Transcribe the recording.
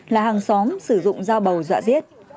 là hàng xóm sử dụng giao bầu dọa giết